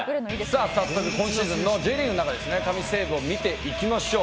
さあ早速今シーズンのＪリーグの中ですね神セーブを見ていきましょう。